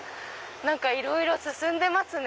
いろいろ進んでますね。